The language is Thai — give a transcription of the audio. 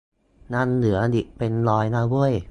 ยังเหลืออีกเป็นร้อยนะเว้ย